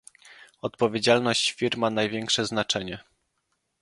Odpowiedzialność firm ma największe znaczenie